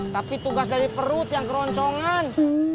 tapi tugas dari perut yang keroncongan